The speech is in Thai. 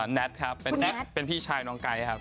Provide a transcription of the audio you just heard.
นัทครับเป็นพี่ชายน้องไก๊ครับ